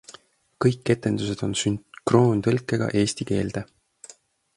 Kõik etendused on sünkroontõlkega eesti keelde.